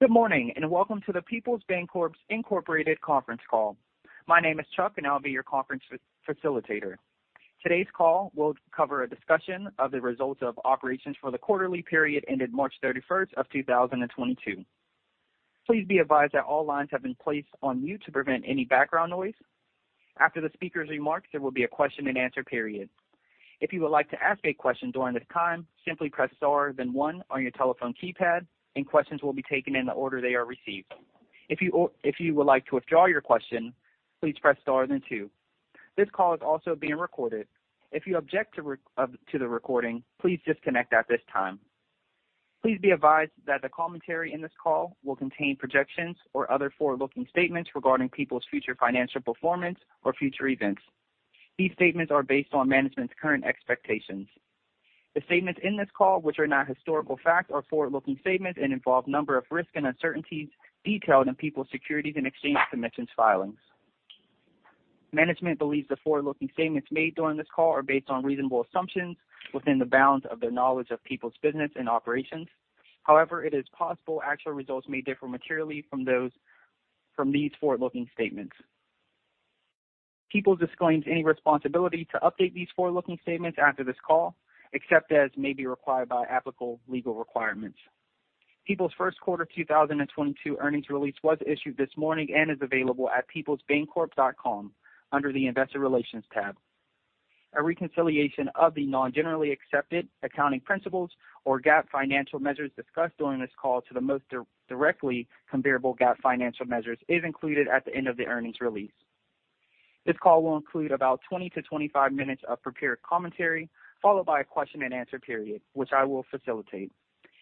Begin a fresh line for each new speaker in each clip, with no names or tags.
Good morning, and welcome to the Peoples Bancorp Inc. conference call. My name is Chuck, and I'll be your conference facilitator. Today's call will cover a discussion of the results of operations for the quarterly period ended March 31st, 2022. Please be advised that all lines have been placed on mute to prevent any background noise. After the speaker's remarks, there will be a question-and-answer period. If you would like to ask a question during this time, simply press star then one on your telephone keypad, and questions will be taken in the order they are received. If you would like to withdraw your question, please press star then two. This call is also being recorded. If you object to the recording, please disconnect at this time. Please be advised that the commentary in this call will contain projections or other forward-looking statements regarding Peoples' future financial performance or future events. These statements are based on management's current expectations. The statements in this call which are not historical facts are forward-looking statements and involve a number of risks and uncertainties detailed in Peoples' Securities and Exchange Commission filings. Management believes the forward-looking statements made during this call are based on reasonable assumptions within the bounds of their knowledge of Peoples' business and operations. However, it is possible actual results may differ materially from these forward-looking statements. Peoples disclaims any responsibility to update these forward-looking statements after this call, except as may be required by applicable legal requirements. Peoples' first quarter 2022 earnings release was issued this morning and is available at peoplesbancorp.com under the Investor Relations tab. A reconciliation of the non-generally accepted accounting principles or GAAP financial measures discussed during this call to the most directly comparable GAAP financial measures is included at the end of the earnings release. This call will include about 20-25 minutes of prepared commentary, followed by a question-and-answer period, which I will facilitate.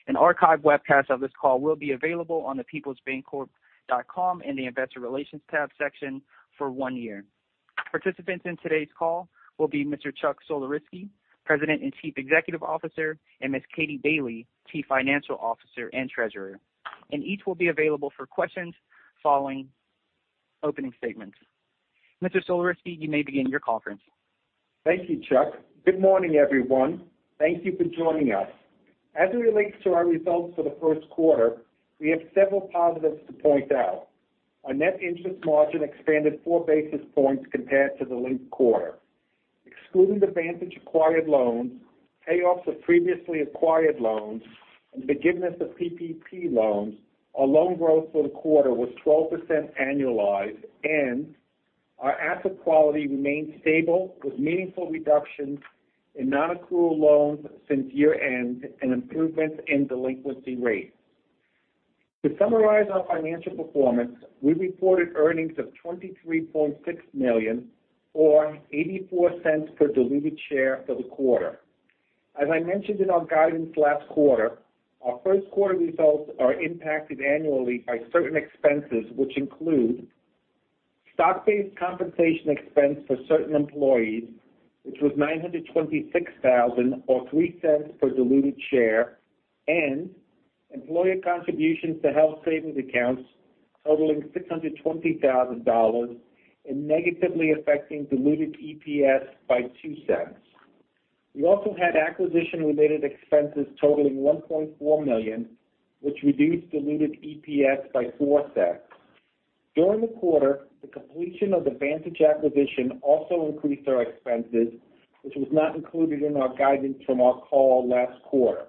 An archive webcast of this call will be available on the peoplesbancorp.com in the Investor Relations tab section for one year. Participants in today's call will be Mr. Chuck Sulerzyski, President and Chief Executive Officer, and Ms. Katie Bailey, Chief Financial Officer and Treasurer, and each will be available for questions following opening statements. Mr. Sulerzyski, you may begin your conference.
Thank you, Chuck. Good morning, everyone. Thank you for joining us. As it relates to our results for the first quarter, we have several positives to point out. Our net interest margin expanded 4 basis points compared to the linked quarter. Excluding the Vantage acquired loans, payoffs of previously acquired loans, and the forgiveness of PPP loans, our loan growth for the quarter was 12% annualized, and our asset quality remained stable with meaningful reductions in non-accrual loans since year-end and improvements in delinquency rates. To summarize our financial performance, we reported earnings of $23.6 million or $0.84 per diluted share for the quarter. As I mentioned in our guidance last quarter, our first quarter results are impacted annually by certain expenses which include stock-based compensation expense for certain employees, which was $926,000 or $0.03 per diluted share, and employee contributions to health savings accounts totaling $620,000 and negatively affecting diluted EPS by $0.02. We also had acquisition-related expenses totaling $1.4 million, which reduced diluted EPS by $0.04. During the quarter, the completion of the Vantage Financial acquisition also increased our expenses, which was not included in our guidance from our call last quarter.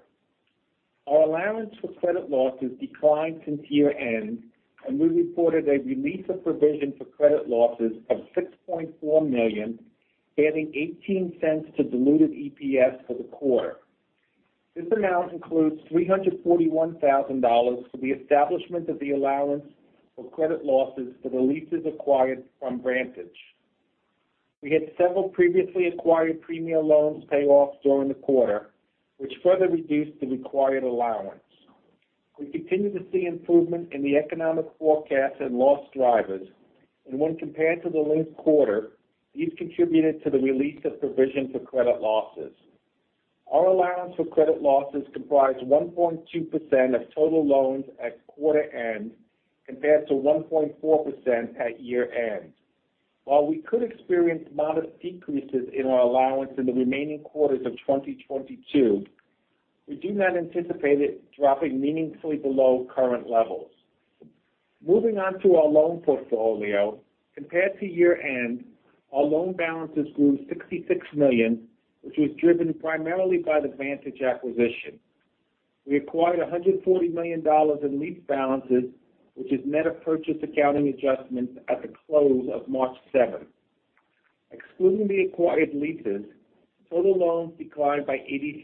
Our allowance for credit losses declined since year-end, and we reported a release of provision for credit losses of $6.4 million, adding $0.18 to diluted EPS for the quarter. This amount includes $341,000 for the establishment of the allowance for credit losses for the leases acquired from Vantage. We had several previously acquired Premier loans payoff during the quarter, which further reduced the required allowance. We continue to see improvement in the economic forecast and loss drivers, and when compared to the linked quarter, these contributed to the release of provision for credit losses. Our allowance for credit losses comprised 1.2% of total loans at quarter-end compared to 1.4% at year-end. While we could experience modest decreases in our allowance in the remaining quarters of 2022, we do not anticipate it dropping meaningfully below current levels. Moving on to our loan portfolio. Compared to year-end, our loan balances grew $66 million, which was driven primarily by the Vantage acquisition. We acquired $140 million in lease balances, which has net of purchase accounting adjustments at the close of March 7th. Excluding the acquired leases, total loans declined by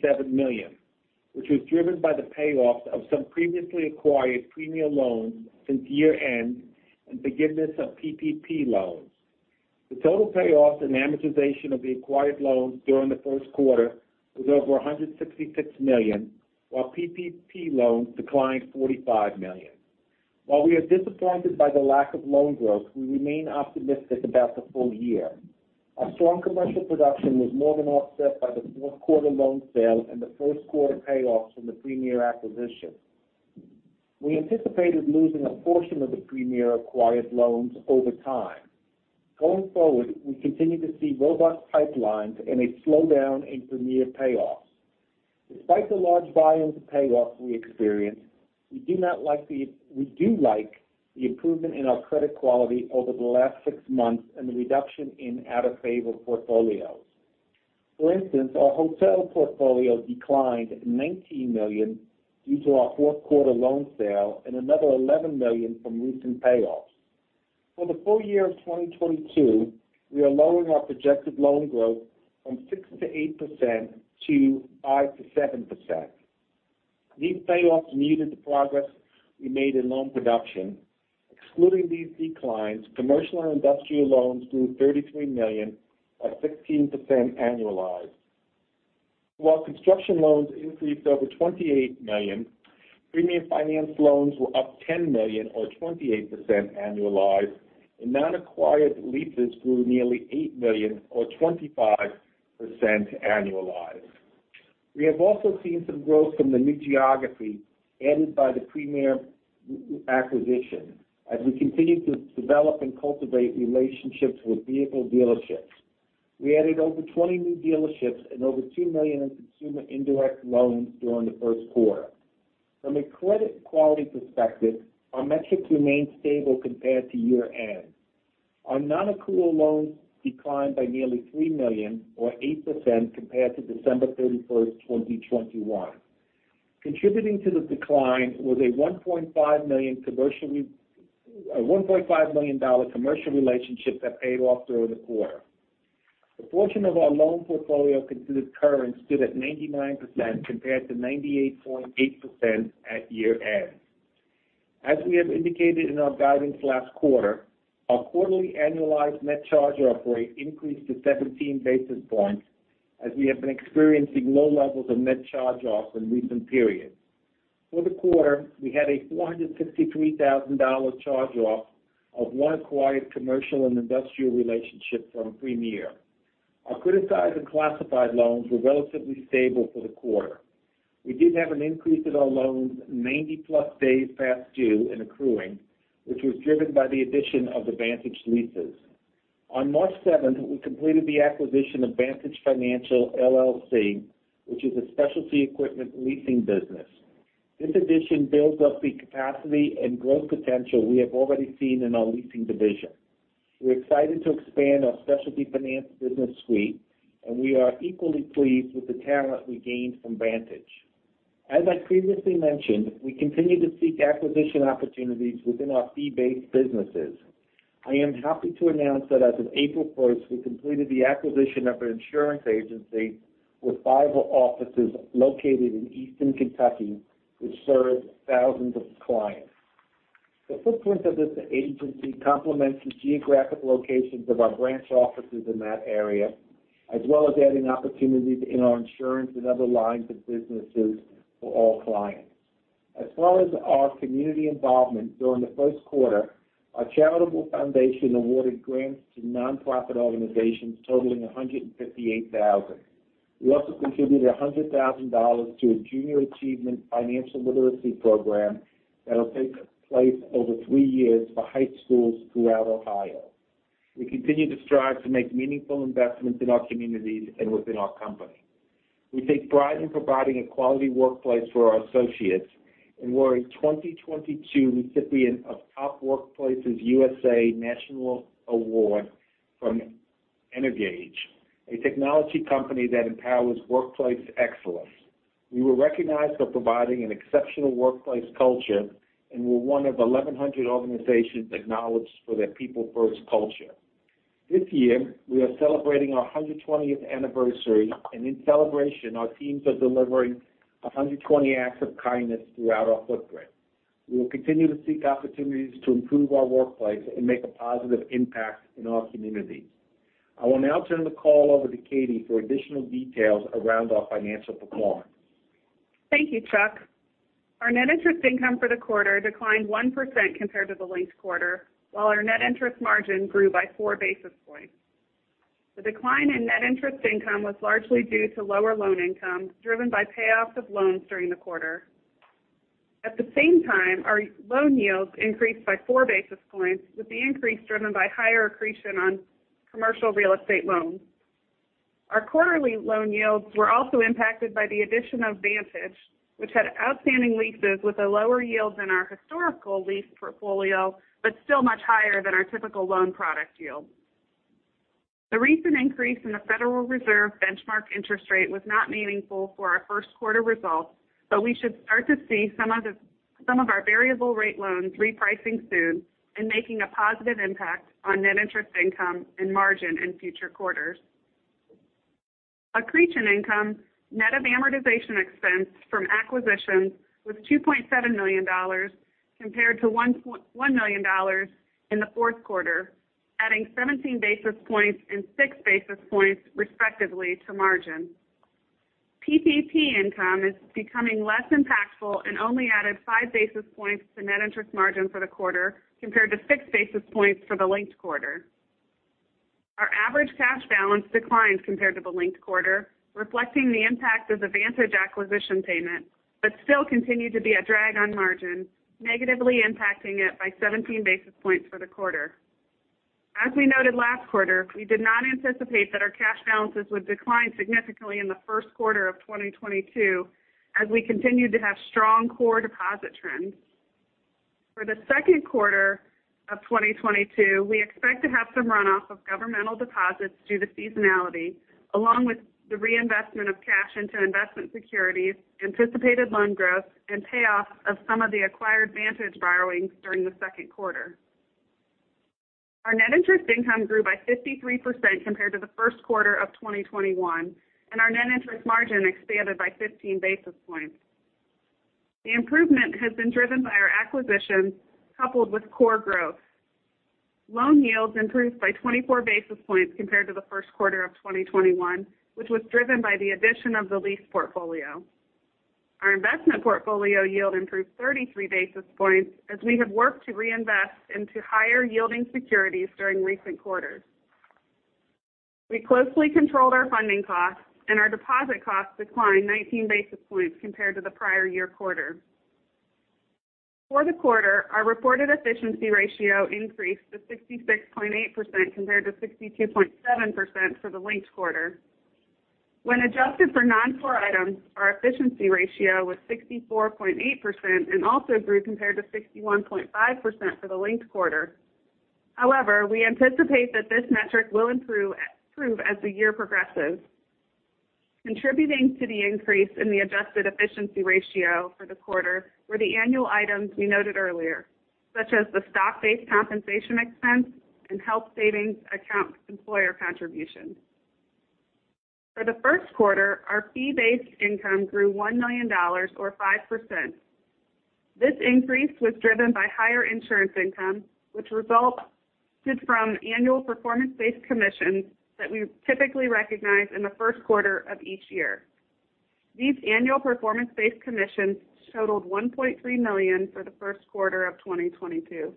$87 million, which was driven by the payoffs of some previously acquired Premier loans since year-end and forgiveness of PPP loans. The total payoffs and amortization of the acquired loans during the first quarter was over $166 million, while PPP loans declined $45 million. While we are disappointed by the lack of loan growth, we remain optimistic about the full year. Our strong commercial production was more than offset by the fourth quarter loan sale and the first quarter payoffs from the Premier acquisition. We anticipated losing a portion of the Premier acquired loans over time. Going forward, we continue to see robust pipelines and a slowdown in Premier payoffs. Despite the large volume of payoffs we experienced, we do like the improvement in our credit quality over the last six months and the reduction in out-of-favor portfolios. For instance, our hotel portfolio declined $19 million due to our fourth quarter loan sale and another $11 million from recent payoffs. For the full year of 2022, we are lowering our projected loan growth from 6%-8% to 5%-7%. These payoffs muted the progress we made in loan production. Excluding these declines, commercial and industrial loans grew $33 million at 16% annualized. While construction loans increased over $28 million, Premier finance loans were up $10 million or 28% annualized, and non-acquired leases grew nearly $8 million or 25% annualized. We have also seen some growth from the new geography added by the Premier acquisition as we continue to develop and cultivate relationships with vehicle dealerships. We added over 20 new dealerships and over $2 million in consumer indirect loans during the first quarter. From a credit quality perspective, our metrics remained stable compared to year-end. Our non-accrual loans declined by nearly $3 million or 8% compared to December 31st, 2021. Contributing to the decline was a $1.5 million commercial relationship that paid off during the quarter. The portion of our loan portfolio considered current stood at 99% compared to 98.8% at year-end. As we have indicated in our guidance last quarter, our quarterly annualized net charge-off rate increased to 17 basis points as we have been experiencing low levels of net charge-offs in recent periods. For the quarter, we had a $463,000 charge-off of one acquired commercial and industrial relationship from Premier. Our criticized and classified loans were relatively stable for the quarter. We did have an increase in our loans 90+ days past due and accruing, which was driven by the addition of the Vantage leases. On March 7th, we completed the acquisition of Vantage Financial, LLC, which is a specialty equipment leasing business. This addition builds up the capacity and growth potential we have already seen in our leasing division. We're excited to expand our specialty finance business suite, and we are equally pleased with the talent we gained from Vantage. As I previously mentioned, we continue to seek acquisition opportunities within our fee-based businesses. I am happy to announce that as of April 1st, we completed the acquisition of an insurance agency with five offices located in Eastern Kentucky, which serves thousands of clients. The footprint of this agency complements the geographic locations of our branch offices in that area, as well as adding opportunities in our insurance and other lines of businesses for all clients. As far as our community involvement during the first quarter, our charitable foundation awarded grants to nonprofit organizations totaling $158,000. We also contributed $100,000 to a Junior Achievement financial literacy program that'll take place over three years for high schools throughout Ohio. We continue to strive to make meaningful investments in our communities and within our company. We take pride in providing a quality workplace for our associates, and we're a 2022 recipient of Top Workplaces USA national award from Energage, a technology company that empowers workplace excellence. We were recognized for providing an exceptional workplace culture and we're one of 1,100 organizations acknowledged for their people-first culture. This year, we are celebrating our 120th anniversary, and in celebration, our teams are delivering 120 acts of kindness throughout our footprint. We will continue to seek opportunities to improve our workplace and make a positive impact in our communities. I will now turn the call over to Katie for additional details around our financial performance.
Thank you, Chuck. Our net interest income for the quarter declined 1% compared to the linked quarter, while our net interest margin grew by 4 basis points. The decline in net interest income was largely due to lower loan income, driven by payoffs of loans during the quarter. At the same time, our loan yields increased by 4 basis points, with the increase driven by higher accretion on commercial real estate loans. Our quarterly loan yields were also impacted by the addition of Vantage, which had outstanding leases with a lower yield than our historical lease portfolio, but still much higher than our typical loan product yield. The recent increase in the Federal Reserve benchmark interest rate was not meaningful for our first quarter results, but we should start to see some of our variable rate loans repricing soon and making a positive impact on net interest income and margin in future quarters. Accretion income, net of amortization expense from acquisitions, was $2.7 million compared to $1.1 million in the fourth quarter, adding 17 basis points and 6 basis points respectively to margin. PPP income is becoming less impactful and only added 5 basis points to net interest margin for the quarter compared to 6 basis points for the linked quarter. Our average cash balance declined compared to the linked quarter, reflecting the impact of the Vantage acquisition payment, but still continued to be a drag on margin, negatively impacting it by 17 basis points for the quarter. As we noted last quarter, we did not anticipate that our cash balances would decline significantly in the first quarter of 2022 as we continued to have strong core deposit trends. For the second quarter of 2022, we expect to have some runoff of governmental deposits due to seasonality, along with the reinvestment of cash into investment securities, anticipated loan growth and payoff of some of the acquired Vantage borrowings during the second quarter. Our net interest income grew by 53% compared to the first quarter of 2021, and our net interest margin expanded by 15 basis points. The improvement has been driven by our acquisitions coupled with core growth. Loan yields improved by 24 basis points compared to the first quarter of 2021, which was driven by the addition of the lease portfolio. Our investment portfolio yield improved 33 basis points as we have worked to reinvest into higher yielding securities during recent quarters. We closely controlled our funding costs and our deposit costs declined 19 basis points compared to the prior year quarter. For the quarter, our reported efficiency ratio increased to 66.8% compared to 62.7% for the linked quarter. When adjusted for non-core items, our efficiency ratio was 64.8% and also grew compared to 61.5% for the linked quarter. However, we anticipate that this metric will improve as the year progresses. Contributing to the increase in the adjusted efficiency ratio for the quarter were the annual items we noted earlier, such as the stock-based compensation expense and health savings account employer contribution. For the first quarter, our fee-based income grew $1 million or 5%. This increase was driven by higher insurance income, which resulted from annual performance-based commissions that we typically recognize in the first quarter of each year. These annual performance-based commissions totaled $1.3 million for the first quarter of 2022.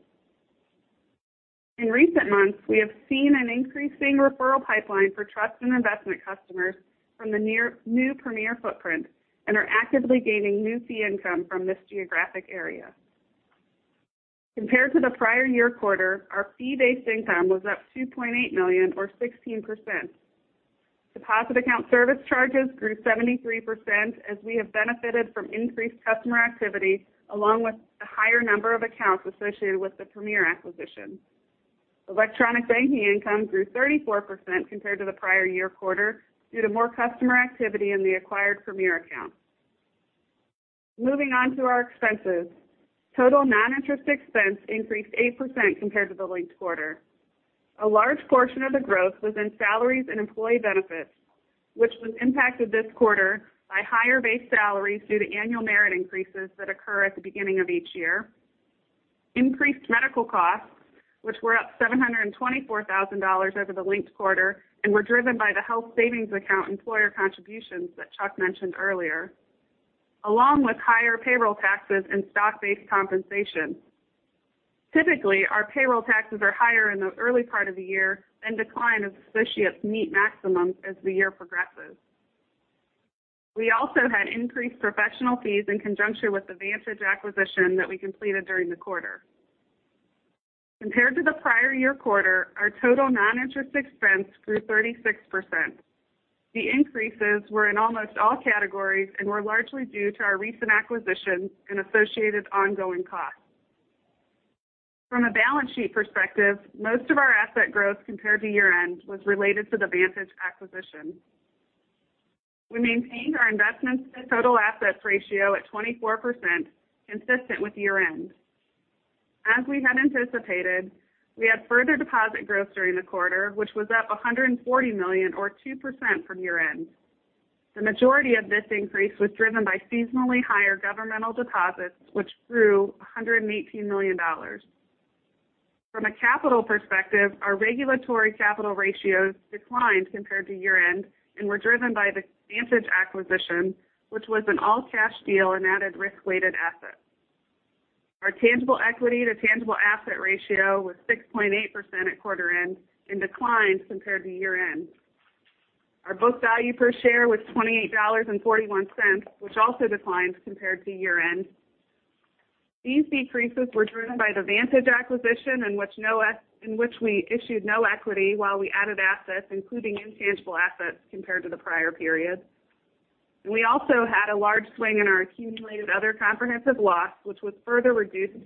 In recent months, we have seen an increasing referral pipeline for trust and investment customers from the new Premier footprint and are actively gaining new fee income from this geographic area. Compared to the prior year quarter, our fee-based income was up $2.8 million or 16%. Deposit account service charges grew 73% as we have benefited from increased customer activity along with a higher number of accounts associated with the Premier acquisition. Electronic banking income grew 34% compared to the prior year quarter due to more customer activity in the acquired Premier accounts. Moving on to our expenses. Total non-interest expense increased 8% compared to the linked quarter. A large portion of the growth was in salaries and employee benefits, which was impacted this quarter by higher base salaries due to annual merit increases that occur at the beginning of each year, increased medical costs, which were up $724,000 over the linked quarter and were driven by the health savings account employer contributions that Chuck mentioned earlier, along with higher payroll taxes and stock-based compensation. Typically, our payroll taxes are higher in the early part of the year then decline as associates meet maximums as the year progresses. We also had increased professional fees in conjunction with the Vantage acquisition that we completed during the quarter. Compared to the prior year quarter, our total non-interest expense grew 36%. The increases were in almost all categories and were largely due to our recent acquisitions and associated ongoing costs. From a balance sheet perspective, most of our asset growth compared to year-end was related to the Vantage acquisition. We maintained our investments to total assets ratio at 24% consistent with year-end. As we had anticipated, we had further deposit growth during the quarter, which was up $140 million or 2% from year-end. The majority of this increase was driven by seasonally higher governmental deposits, which grew $118 million. From a capital perspective, our regulatory capital ratios declined compared to year-end and were driven by the Vantage acquisition, which was an all-cash deal and added risk-weighted assets. Our tangible equity to tangible assets ratio was 6.8% at quarter-end and declined compared to year-end. Our book value per share was $28.41, which also declined compared to year-end. These decreases were driven by the Vantage acquisition in which we issued no equity while we added assets, including intangible assets compared to the prior period. We also had a large swing in our accumulated other comprehensive loss, which was further reduced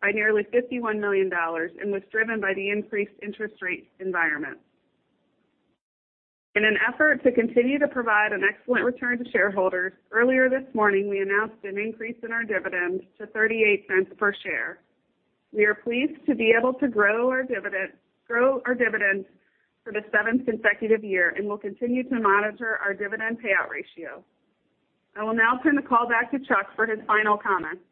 by nearly $51 million and was driven by the increased interest rate environment. In an effort to continue to provide an excellent return to shareholders, earlier this morning, we announced an increase in our dividend to $0.38 per share. We are pleased to be able to grow our dividend for the seventh consecutive year and will continue to monitor our dividend payout ratio. I will now turn the call back to Chuck for his final comments.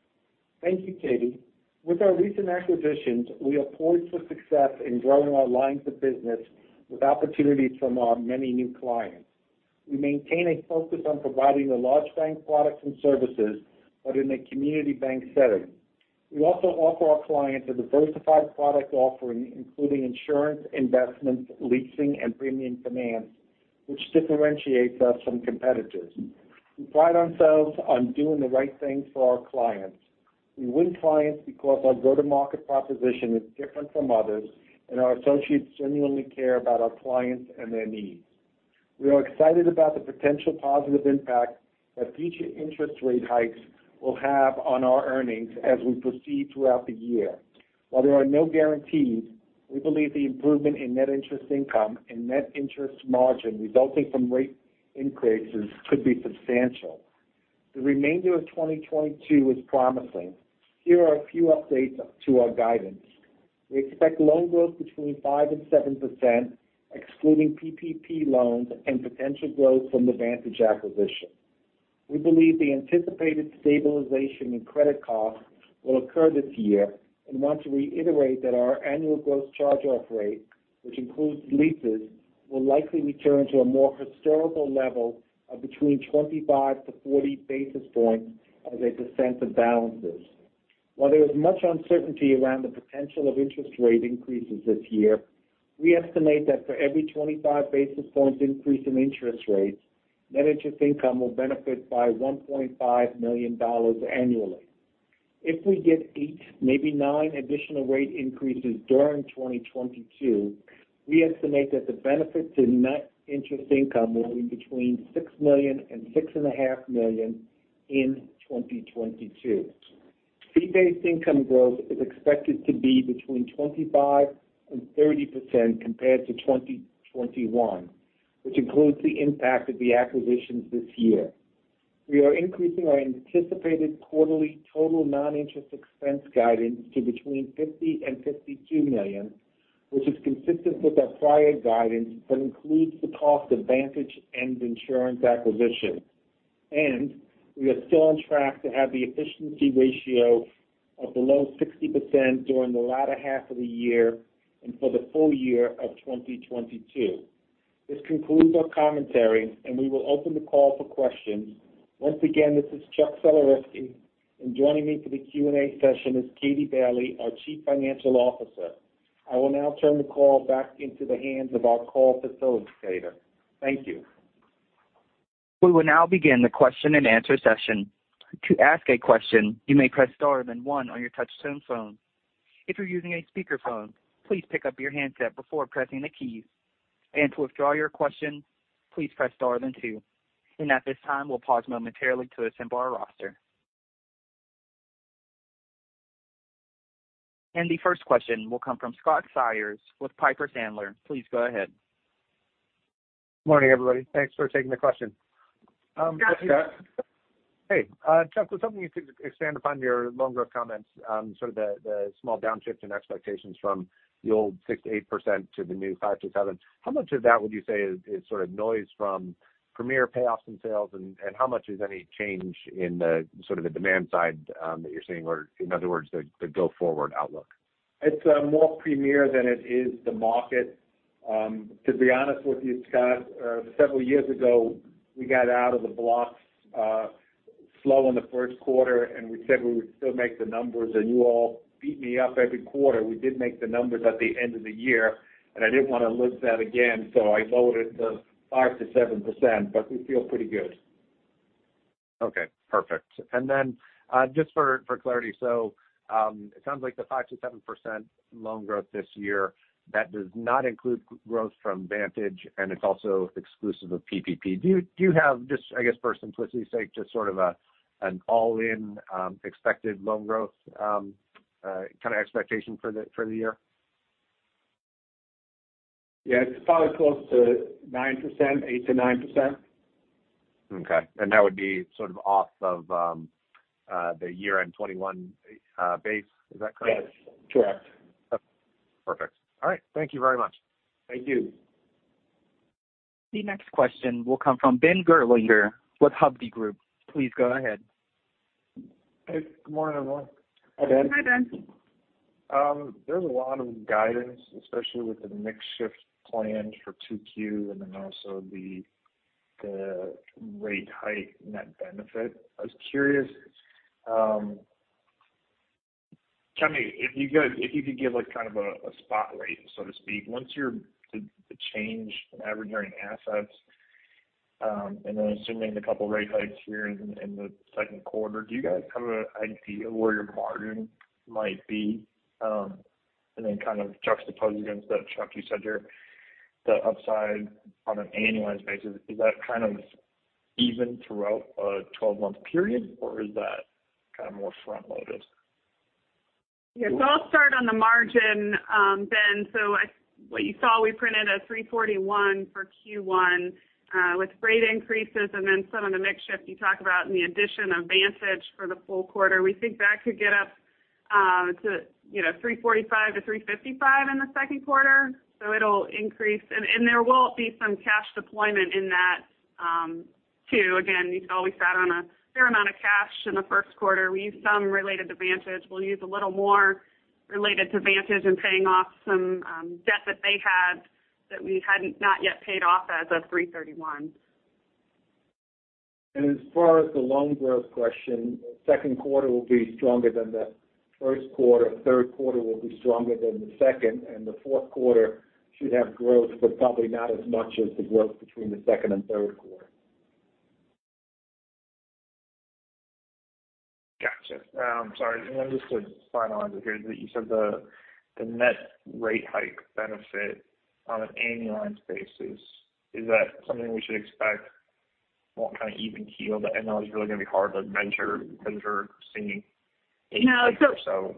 Thank you, Katie. With our recent acquisitions, we are poised for success in growing our lines of business with opportunities from our many new clients. We maintain a focus on providing the large bank products and services, but in a community bank setting. We also offer our clients a diversified product offering, including insurance, investments, leasing, and premium finance, which differentiates us from competitors. We pride ourselves on doing the right thing for our clients. We win clients because our go-to-market proposition is different from others, and our associates genuinely care about our clients and their needs. We are excited about the potential positive impact that future interest rate hikes will have on our earnings as we proceed throughout the year. While there are no guarantees, we believe the improvement in net interest income and net interest margin resulting from rate increases could be substantial. The remainder of 2022 is promising. Here are a few updates to our guidance. We expect loan growth between 5% and 7%, excluding PPP loans and potential growth from the Vantage acquisition. We believe the anticipated stabilization in credit costs will occur this year, and want to reiterate that our annual gross charge-off rate, which includes leases, will likely return to a more historical level of between 25-40 basis points as they descend the balances. While there is much uncertainty around the potential of interest rate increases this year, we estimate that for every 25 basis points increase in interest rates, net interest income will benefit by $1.5 million annually. If we get 8%, maybe 9% additional rate increases during 2022, we estimate that the benefit to net interest income will be between $6 million and $6.5 million in 2022. Fee-based income growth is expected to be between 25% and 30% compared to 2021, which includes the impact of the acquisitions this year. We are increasing our anticipated quarterly total non-interest expense guidance to between $50 million and $52 million, which is consistent with our prior guidance but includes the cost of Vantage and insurance acquisitions. We are still on track to have the efficiency ratio of below 60% during the latter half of the year and for the full year of 2022. This concludes our commentary, and we will open the call for questions. Once again, this is Chuck Sulerzyski, and joining me for the Q&A session is Katie Bailey, our Chief Financial Officer. I will now turn the call back into the hands of our call facilitator. Thank you.
We will now begin the question-and-answer session. To ask a question, you may press star then one on your touchtone phone. If you're using a speakerphone, please pick up your handset before pressing the keys. To withdraw your question, please press star then two. At this time, we'll pause momentarily to assemble our roster. The first question will come from Scott Siefers with Piper Sandler. Please go ahead.
Morning, everybody. Thanks for taking the question.
Hi, Scott.
Hi, Scott.
Hey, Chuck, I was hoping you could expand upon your loan growth comments, sort of the small downshift in expectations from the old 6%-8% to the new 5%-7%. How much of that would you say is sort of noise from Premier payoffs and sales, and how much is any change in the sort of the demand side that you're seeing or, in other words, the go-forward outlook?
It's more Premier than it is the market. To be honest with you, Scott, several years ago, we got out of the blocks slow in the first quarter, and we said we would still make the numbers, and you all beat me up every quarter. We did make the numbers at the end of the year, and I didn't want to lose that again, so I lowered it to 5%-7%, but we feel pretty good.
Okay. Perfect. Just for clarity, it sounds like the 5%-7% loan growth this year does not include growth from Vantage, and it's also exclusive of PPP. Do you have, I guess, for simplicity's sake, just sort of an all-in expected loan growth kind of expectation for the year?
Yeah. It's probably close to 9%, 8%-9%.
Okay. That would be sort of off of the year-end 2021 base. Is that correct?
Yes. Correct.
Okay. Perfect. All right. Thank you very much.
Thank you.
The next question will come from Ben Gerlinger with Hovde Group. Please go ahead.
Hey. Good morning, everyone.
Hi, Ben.
Hi, Ben.
There's a lot of guidance, especially with the mix shift planned for 2Q and then also the rate hike net benefit. I was curious, tell me if you guys could give like kind of a spot rate, so to speak, the change in average earning assets, and then assuming the couple rate hikes here in the second quarter, do you guys have an idea where your margin might be? Then kind of juxtaposed against that, Chuck, you said the upside on an annualized basis, is that kind of even throughout a 12-month period, or is that kind of more front loaded?
Yeah. I'll start on the margin, Ben. What you saw, we printed a 3.41% for Q1. With rate increases and then some of the mix shift you talk about and the addition of Vantage for the full quarter, we think that could get up to 3.45%-3.55% in the second quarter. It'll increase. There will be some cash deployment in that Q2. Again, we've always sat on a fair amount of cash in the first quarter. We used some related to Vantage. We'll use a little more related to Vantage in paying off some debt that they had that we had not yet paid off as of March 31.
As far as the loan growth question, second quarter will be stronger than the first quarter, third quarter will be stronger than the second, and the fourth quarter should have growth, but probably not as much as the growth between the second and third quarter.
Got you. Sorry. Then just to finalize it here, you said the net rate hike benefit on an annualized basis, is that something we should expect won't kind of even keel, but NIM is really going to be hard to predict or so?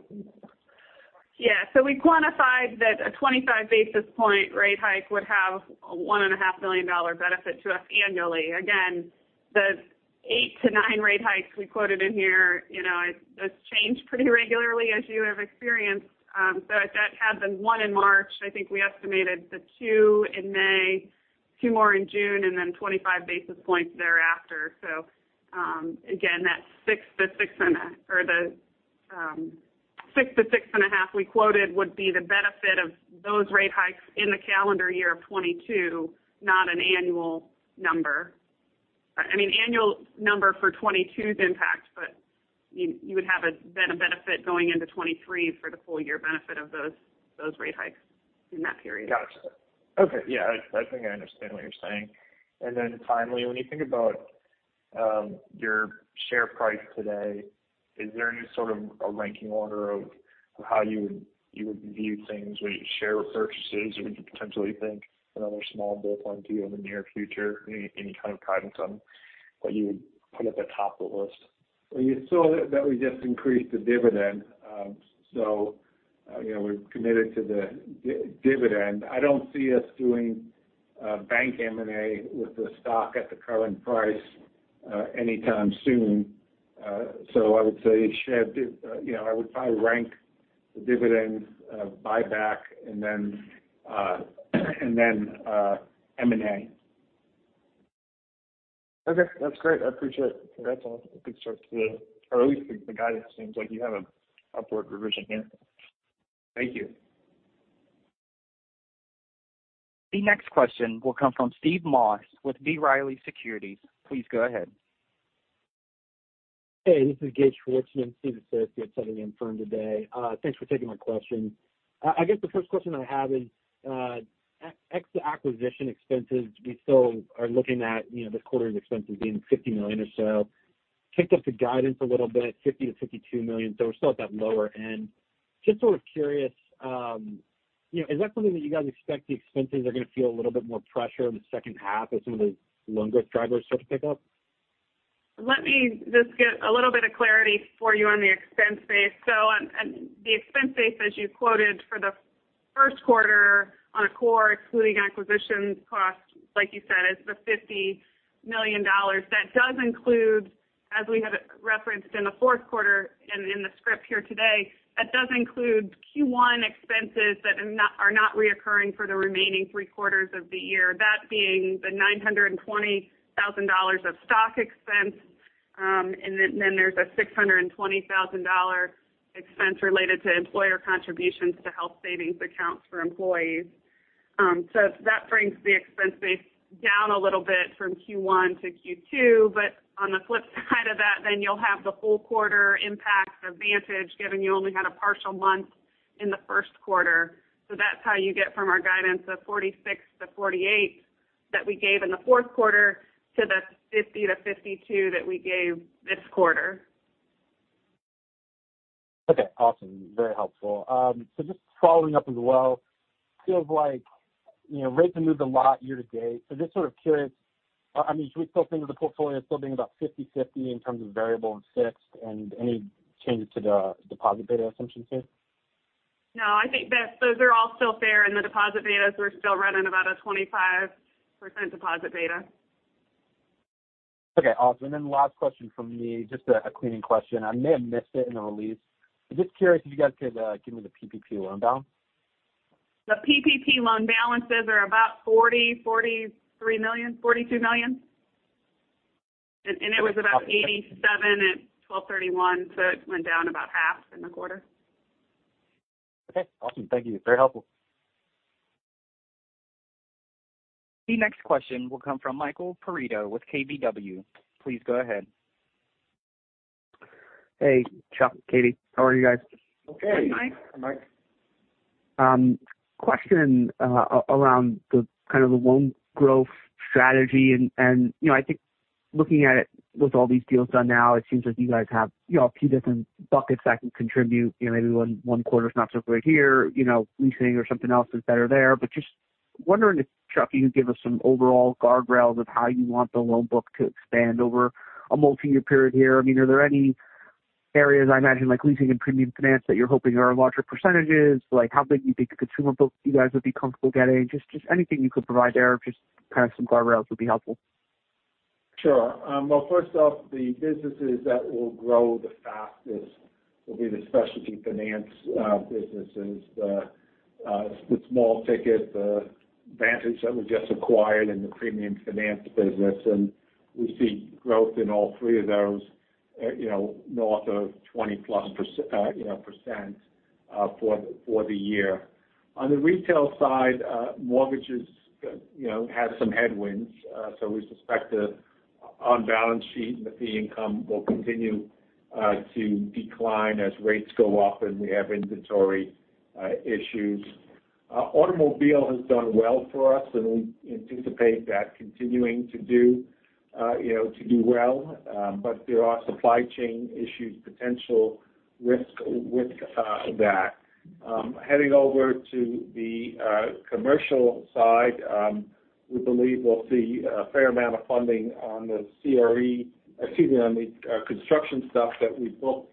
Yeah. We quantified that a 25 basis point rate hike would have a $1.5 million benefit to us annually. Again, the 8%-9% rate hikes we quoted in here, you know, those change pretty regularly as you have experienced. That had been 1% in March. I think we estimated the 2% in May, 2% more in June, and then 25 basis points thereafter. Again, that 6%-6.5% we quoted would be the benefit of those rate hikes in the calendar year of 2022, not an annual number. I mean annual number for 2022's impact, but you would have been a benefit going into 2023 for the full year benefit of those rate hikes in that period.
Got you. Okay. Yeah, I think I understand what you're saying. Then finally, when you think about your share price today, is there any sort of a ranking order of how you would view things, whether you share purchases or would you potentially think another small bolt-on deal in the near future? Any kind of guidance on what you would put at the top of the list?
Well, you saw that we just increased the dividend. You know, we're committed to the dividend. I don't see us doing bank M&A with the stock at the current price anytime soon. I would say, you know, I would probably rank the dividend, buyback and then M&A.
Okay, that's great. I appreciate it. That's all. At least the guidance seems like you have an upward revision here. Thank you.
The next question will come from Steve Moss with B. Riley Securities. Please go ahead.
Hey, this is Gates Schwarzmann, Steve's associate covering the firm today. Thanks for taking my question. I guess the first question I have is, excluding the acquisition expenses, we still are looking at, you know, this quarter's expenses being $50 million or so. Kicked up the guidance a little bit, $50 million-$52 million. We're still at that lower end. Just sort of curious, you know, is that something that you guys expect the expenses are going to feel a little bit more pressure in the second half as some of the loan growth drivers start to pick up?
Let me just get a little bit of clarity for you on the expense base. On the expense base, as you quoted for the first quarter on a core, excluding acquisition costs, like you said, it's the $50 million. That does include, as we have referenced in the fourth quarter and in the script here today, that does include Q1 expenses that are not recurring for the remaining three quarters of the year. That being the $920,000 of stock expense, and then there's a $620,000 expense related to employer contributions to health savings accounts for employees. That brings the expense base down a little bit from Q1 to Q2. On the flip side of that, then you'll have the full quarter impact of Vantage, given you only had a partial month in the first quarter. That's how you get from our guidance of $46 million-$48 million that we gave in the fourth quarter to the $50 million-$52 million that we gave this quarter.
Okay, awesome. Very helpful. Just following up as well, feels like, you know, rates have moved a lot year-to-date. Just sort of curious, I mean, should we still think of the portfolio as still being about 50/50 in terms of variable and fixed and any changes to the deposit beta assumptions here?
No, I think that those are all still fair. The deposit betas, we're still running about a 25% deposit beta.
Okay, awesome. Last question from me, just a cleaning question. I may have missed it in the release. Just curious if you guys could give me the PPP loan balance?
The PPP loan balances are about $43 million, $42 million. It was about $87 million at December 31, so it went down about half in the quarter.
Okay, awesome. Thank you. Very helpful.
The next question will come from Michael Perito with KBW. Please go ahead.
Hey, Chuck, Katie, how are you guys?
Okay.
Hi, Mike.
Mike.
Question around the kind of the loan growth strategy. You know, I think looking at it with all these deals done now, it seems like you guys have, you know, a few different buckets that can contribute. You know, maybe one quarter is not so great here, you know, leasing or something else is better there. Just wondering if, Chuck, you could give us some overall guardrails of how you want the loan book to expand over a multi-year period here. I mean, are there any areas, I imagine, like leasing and premium finance that you're hoping are larger percentages? Like how big you think the consumer book you guys would be comfortable getting? Just anything you could provide there, just kind of some guardrails would be helpful.
Sure. Well, first off, the businesses that will grow the fastest will be the specialty finance businesses. The small ticket Vantage that we just acquired in the premium finance business, and we see growth in all three of those, you know, north of 20%+, you know, for the year. On the retail side, mortgages, you know, have some headwinds. We suspect the on-balance sheet fee income will continue to decline as rates go up and we have inventory issues. Automobile has done well for us, and we anticipate that continuing to do well. There are supply chain issues, potential risk with that. Heading over to the commercial side, we believe we'll see a fair amount of funding on the construction stuff that we booked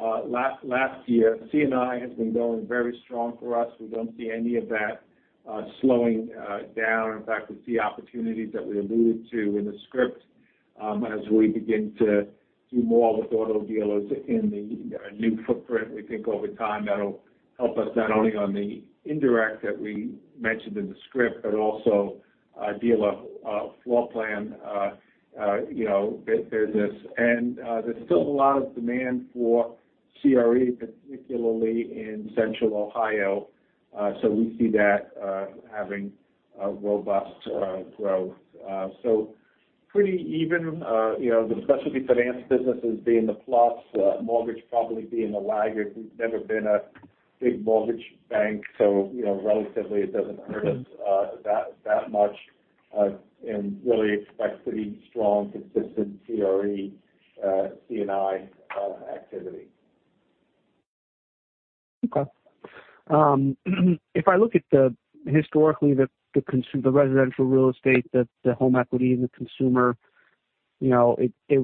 last year. C&I has been going very strong for us. We don't see any of that slowing down. In fact, we see opportunities that we alluded to in the script as we begin to do more with auto dealers in the new footprint. We think over time, that'll help us not only on the indirect that we mentioned in the script, but also dealer floor plan, you know, business. There's still a lot of demand for CRE, particularly in Central Ohio. We see that having a robust growth. Pretty even, you know, the specialty finance businesses being the plus, mortgage probably being the laggard. We've never been a big mortgage bank, so, you know, relatively it doesn't hurt us-
Mm-hmm
...that much. Really expect pretty strong, consistent CRE, C&I, activity.
Okay. If I look at the historically, the residential real estate, the home equity and the consumer, you know, a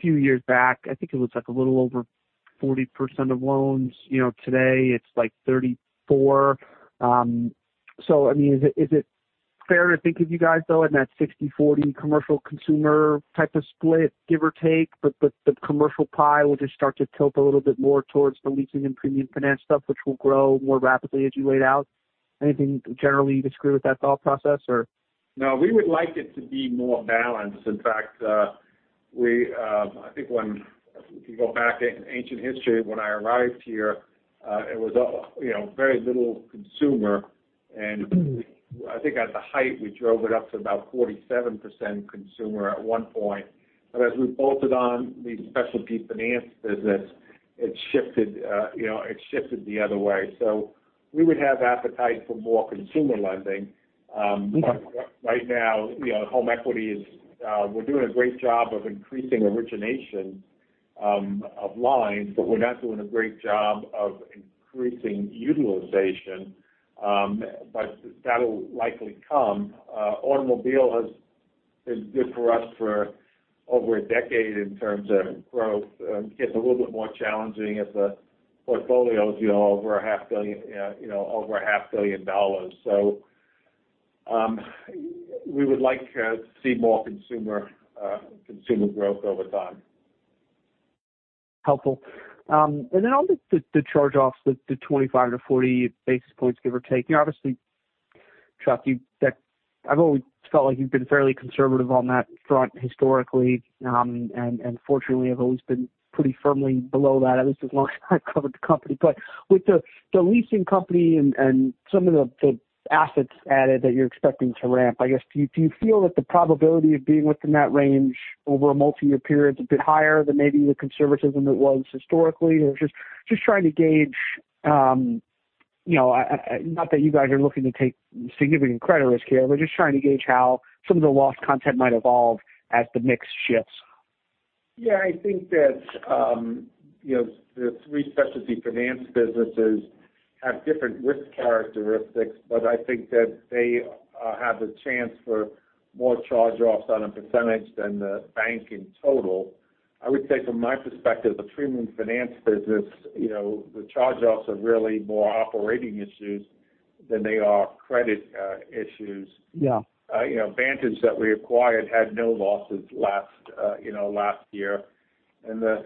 few years back, I think it was like a little over 40% of loans. You know, today, it's like 34%. So I mean, is it fair to think of you guys though, in that 60/40 commercial consumer type of split, give or take, but the commercial pie will just start to tilt a little bit more towards the leasing and premium finance stuff, which will grow more rapidly as you laid out? Anything generally you disagree with that thought process or?
No. We would like it to be more balanced. In fact, I think if you go back in ancient history when I arrived here, it was, you know, very little consumer.
Mm-hmm.
I think at the height, we drove it up to about 47% consumer at one point. As we bolted on the specialty finance business, it shifted, you know, the other way. We would have appetite for more consumer lending. Right now, you know, home equity is. We're doing a great job of increasing origination of lines, but we're not doing a great job of increasing utilization. That'll likely come. Automobile has been good for us for over a decade in terms of growth. Getting a little bit more challenging as the portfolio is, you know, over $0.5 billion. We would like to see more consumer growth over time.
Helpful. Then on the charge-offs, the 25-40 basis points, give or take, obviously, Chuck, you that I've always felt like you've been fairly conservative on that front historically. Fortunately, have always been pretty firmly below that, at least as long as I've covered the company. With the leasing company and some of the assets added that you're expecting to ramp, I guess do you feel that the probability of being within that range over a multi-year period is a bit higher than maybe the conservatism it was historically? Just trying to gauge, you know, not that you guys are looking to take significant credit risk here, but just trying to gauge how some of the loss content might evolve as the mix shifts.
Yeah. I think that, you know, the three specialty finance businesses have different risk characteristics. I think that they have the chance for more charge-offs on a percentage than the bank in total. I would say from my perspective, the Premium Finance business, you know, the charge-offs are really more operating issues than they are credit issues.
Yeah.
You know, Vantage that we acquired had no losses last year. The North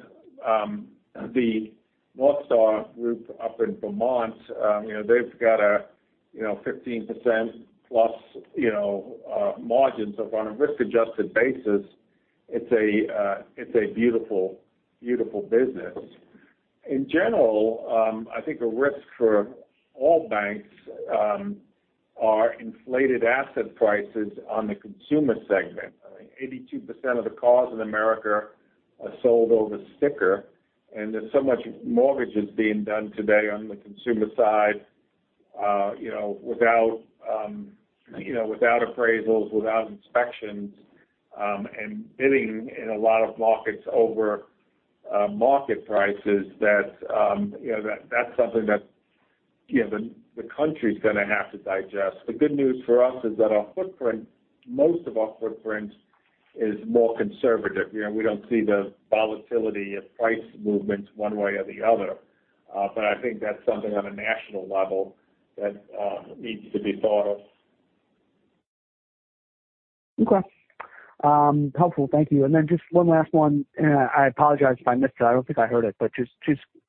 Star group up in Vermont, you know, they've got a you know, 15% plus you know margins. On a risk-adjusted basis, it's a beautiful business. In general, I think a risk for all banks are inflated asset prices on the consumer segment. I think 82% of the cars in America are sold over sticker, and there's so much mortgages being done today on the consumer side, you know, without you know, without appraisals, without inspections, and bidding in a lot of markets over market prices that you know, that's something that you know, the country's gonna have to digest. The good news for us is that our footprint, most of our footprint is more conservative. You know, we don't see the volatility of price movements one way or the other. I think that's something on a national level that needs to be thought of.
Okay. Helpful. Thank you. Just one last one, and I apologize if I missed it. I don't think I heard it. Just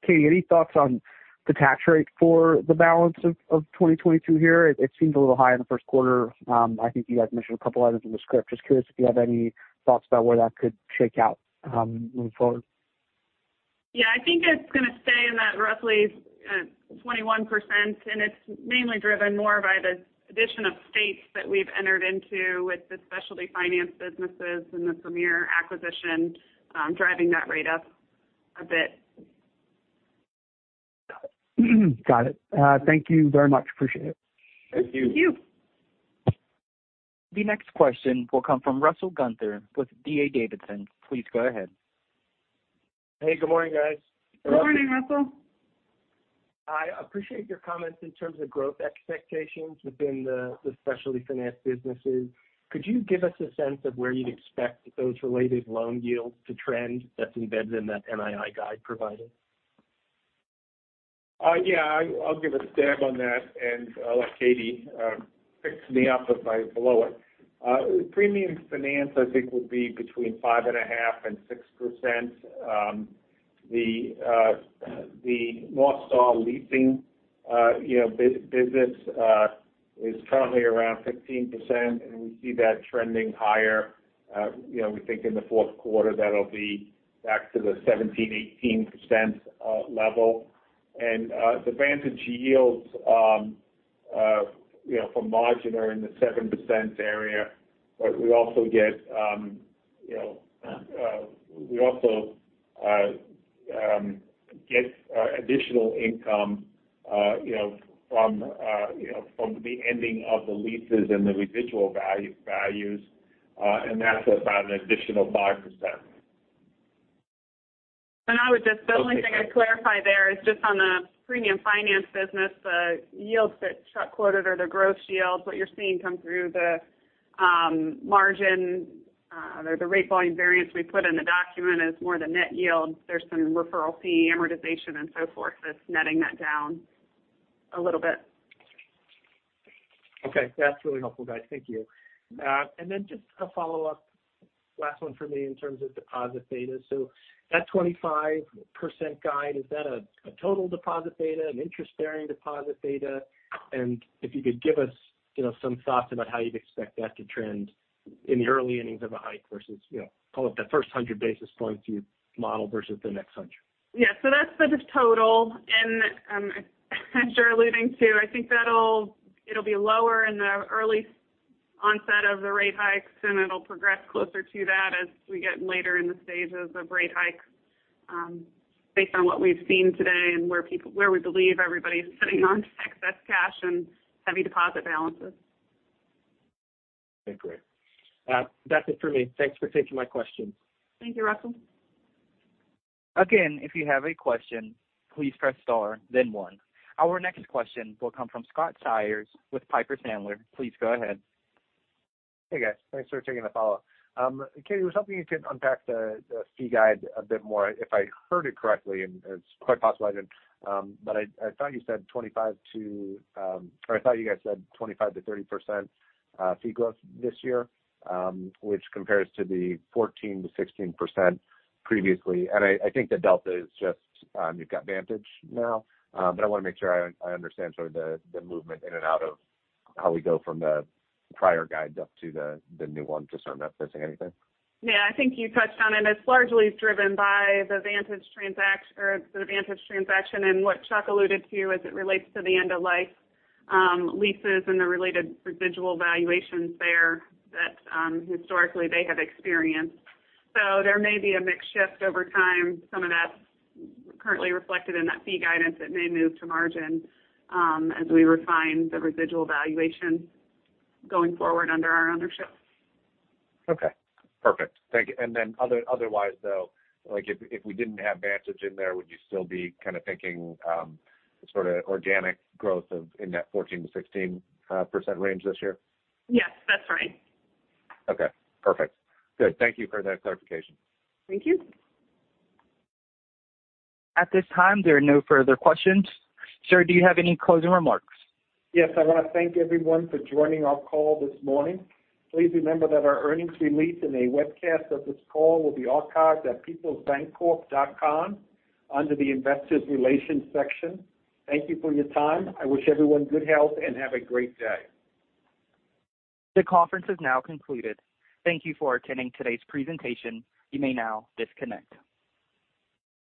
Katie, any thoughts on the tax rate for the balance of 2022 here? It seems a little high in the first quarter. I think you guys mentioned a couple items in the script. Just curious if you have any thoughts about where that could shake out, moving forward.
Yeah. I think it's gonna stay in that roughly 21%, and it's mainly driven more by the addition of states that we've entered into with the specialty finance businesses and the Premier acquisition, driving that rate up a bit.
Got it. Thank you very much. Appreciate it.
Thank you.
Thank you.
The next question will come from Russell Gunther with D.A. Davidson. Please go ahead.
Hey, good morning, guys.
Good morning, Russell.
I appreciate your comments in terms of growth expectations within the specialty finance businesses. Could you give us a sense of where you'd expect those related loan yields to trend, that's embedded in that NII guide provided?
Yeah. I'll give a stab on that, and I'll let Katie pick me up if I blow it. Premium finance I think will be between 5.5% and 6%. The North Star Leasing business is currently around 15%, and we see that trending higher. You know, we think in the fourth quarter that'll be back to the 17%-18% level. The Vantage yields for margin are in the 7% area. But we also get additional income, you know, from the ending of the leases and the residual values. That's about an additional 5%.
The only thing I'd clarify there is just on the premium finance business, the yields that Chuck quoted are the gross yields. What you're seeing come through the margin, or the rate volume variance we put in the document is more the net yield. There's some referral fee amortization and so forth that's netting that down a little bit.
Okay. That's really helpful, guys. Thank you. Then just a follow-up, last one for me in terms of deposit beta. That 25% guide, is that a total deposit beta, an interest-bearing deposit beta? And if you could give us, you know, some thoughts about how you'd expect that to trend in the early innings of a hike versus, you know, call it the first 100 basis points you model versus the next 100.
Yeah. That's the just total. As you're alluding to, I think it'll be lower in the early onset of the rate hikes, and it'll progress closer to that as we get later in the stages of rate hikes, based on what we've seen today and where we believe everybody's sitting on excess cash and heavy deposit balances.
Okay, great. That's it for me. Thanks for taking my questions.
Thank you, Russell.
Again, if you have a question, please press star then one. Our next question will come from Scott Siefers with Piper Sandler. Please go ahead.
Hey, guys. Thanks for taking the follow-up. Katie, I was hoping you could unpack the fee guidance a bit more. If I heard it correctly, and it's quite possible I didn't, but I thought you guys said 25%-30% fee growth this year, which compares to the 14%-16% previously. I think the delta is just you've got Vantage now. I want to make sure I understand the movement in and out of how we go from the prior guides up to the new one, just so I'm not missing anything.
Yeah. I think you touched on it. It's largely driven by the Vantage transaction and what Chuck alluded to as it relates to the end-of-life leases and the related residual valuations there that historically they have experienced. There may be a mix shift over time. Some of that's currently reflected in that fee guidance that may move to margin as we refine the residual valuation going forward under our ownership.
Okay. Perfect. Thank you. Otherwise, though, like, if we didn't have Vantage in there, would you still be kinda thinking sorta organic growth in that 14%-16% range this year?
Yes, that's right.
Okay. Perfect. Good. Thank you for that clarification.
Thank you.
At this time, there are no further questions. Sir, do you have any closing remarks?
Yes. I wanna thank everyone for joining our call this morning. Please remember that our earnings release and a webcast of this call will be archived at peoplesbancorp.com under the Investor Relations section. Thank you for your time. I wish everyone good health, and have a great day.
The conference is now concluded. Thank you for attending today's presentation. You may now disconnect.